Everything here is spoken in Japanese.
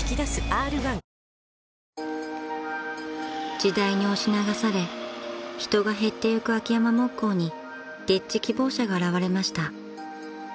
［時代に押し流され人が減っていく秋山木工に丁稚希望者が現れました］